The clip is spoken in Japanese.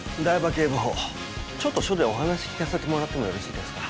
警部補ちょっと署でお話聞かせてもらってもよろしいですか？